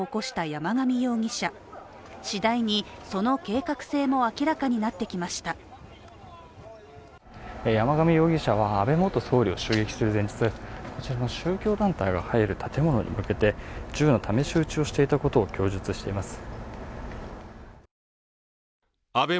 山上容疑者は安倍元総理を襲撃する前日、こちらの宗教団体が入る建物に向けて、銃の試し撃ちをしていたことを供述しています